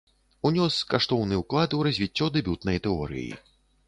Унёс каштоўны ўклад у развіццё дэбютнай тэорыі.